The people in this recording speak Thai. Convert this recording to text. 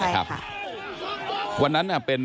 ขอบคุณครับ